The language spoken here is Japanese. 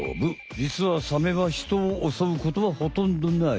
じつはサメはヒトを襲うことはほとんどない。